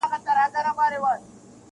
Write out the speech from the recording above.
• په بغارو په فریاد سول له دردونو -